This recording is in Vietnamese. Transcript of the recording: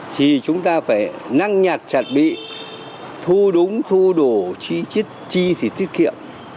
thì chúng ta phải năng nhạc chặt bị thu đúng thu đủ chi thì tiết kiệm